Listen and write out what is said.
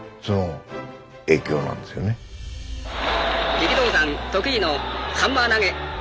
力道山得意のハンマー投げ。